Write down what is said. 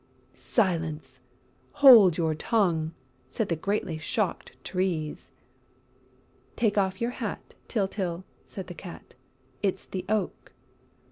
"Silence! Hold your tongue!" said the greatly shocked Trees. "Take off your hat, Tyltyl," said the Cat. "It's the Oak!"